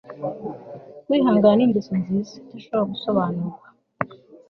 kwihangana ni ingeso nziza idashobora gusobanurwa